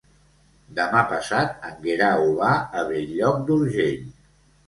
Demà passat en Guerau va a Bell-lloc d'Urgell.